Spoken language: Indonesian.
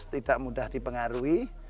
tidak mudah dipengaruhi